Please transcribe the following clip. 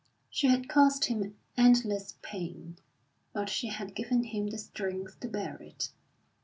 She had caused him endless pain, but she had given him the strength to bear it.